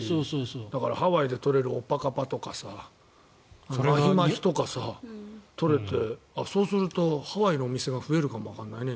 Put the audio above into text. だからハワイで取れるオッパカパとかマヒマヒとか取れてそれでハワイのお店が増えるかもわからないね。